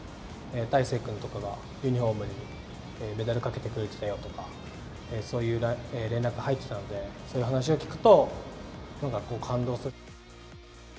大勢君とかがユニホームにメダルかけてくれてたよとか、そういう連絡が入ってたので、そういう話を聞くと、なんかこう、感動する。